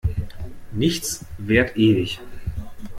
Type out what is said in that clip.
Nichts währt ewig.